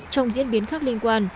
trong diễn biến khác liên quan